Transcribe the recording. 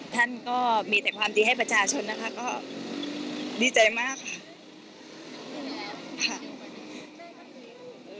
ท่านก็มีแต่ความดีให้ประชาชนนะคะก็ดีใจมากค่ะ